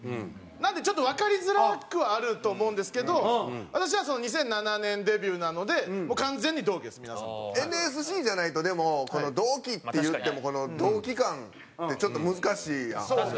なのでちょっとわかりづらくはあると思うんですけど私は２００７年デビューなのでもう完全に同期です皆さんと。ＮＳＣじゃないとでも同期っていっても同期感ってちょっと難しいやん。